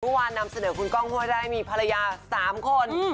เมื่อวานนำเสนอคุณกล้องห้วยไร้มีภรรยา๓คน